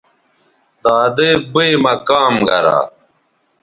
دادئ بئ مہ کام گرا